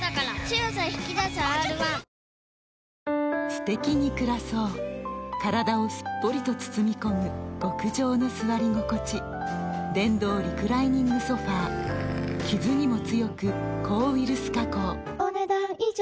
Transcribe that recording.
すてきに暮らそう体をすっぽりと包み込む極上の座り心地電動リクライニングソファ傷にも強く抗ウイルス加工お、ねだん以上。